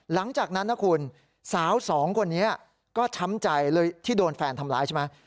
หลังจากนั้นนะคุณสาวสองคนนี้ก็ช้ำใจเลยที่โดนแฟนทำร้ายใช่ไหม